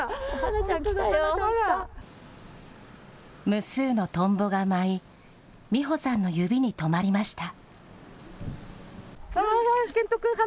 無数のトンボが舞い、実穂さんの指に止まりました。